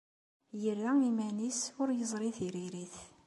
Yerra iman-nnes ur yeẓri tiririt.